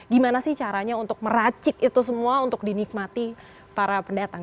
gimana sih caranya untuk meracik itu semua untuk dinikmati para pendatang